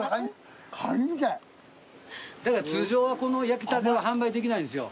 通常はこの焼きたてを販売できないんですよ。